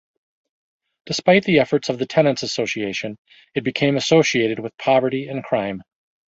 Despite the efforts of the Tenants Association, it became associated with poverty and crime.